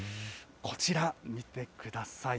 こちら見てください。